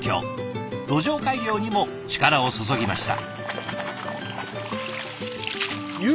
土壌改良にも力を注ぎました。